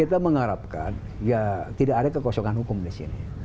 kita mengharapkan ya tidak ada kekosongan hukum di sini